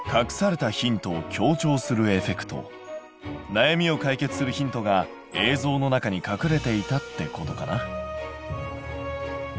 なやみを解決するヒントが映像の中に隠れていたってことかな。